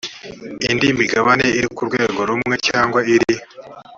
indi migabane iri ku rwego rumwe cyangwa iri